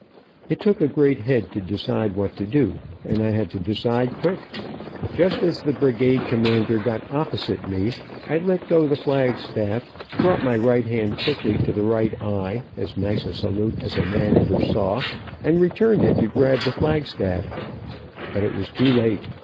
It took a great head to decide what to do, and I had to decide quick. Just as the brigade commander got opposite me I let go the flag stair, brought my right hand quickly to the right eye, as nice a salute as a man ever saw, and returned it to grab the flag stall. But it was too late.